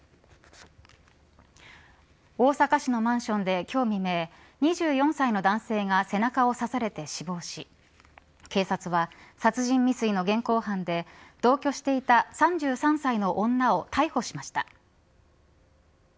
大阪市のマンションで今日未明２４歳の男性が背中を刺されて死亡し警察は殺人未遂の現行犯で同居していた３３歳の女を逮捕しました。